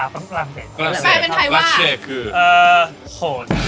ภาษาฝั่งเกียจ